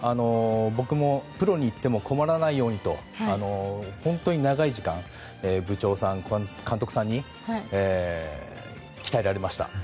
僕も、プロに行っても困らないようにと本当に長い時間部長さん、監督さんに鍛えられました。